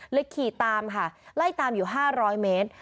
ขี่ตามค่ะไล่ตามอยู่๕๐๐เมตร